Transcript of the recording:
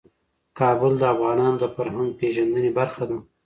کابل د افغانانو د فرهنګي پیژندنې برخه ده.